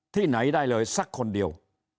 ที่ไหนได้เลยสักคนเดียว